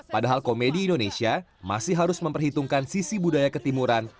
padahal komedi indonesia masih harus memperhitungkan sisi budaya ketimuran